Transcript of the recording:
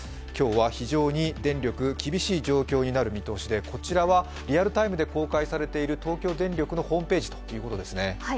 今日は非常に電力厳しい状況になる見通しでこちらはリアルタイムで公開されている東京電力のホームページです。